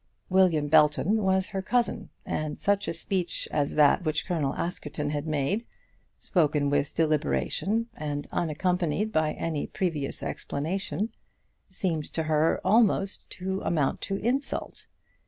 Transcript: William Belton was her cousin, and such a speech as that which Colonel Askerton had made, spoken with deliberation and unaccompanied by any previous explanation, seemed to her almost to amount to insult.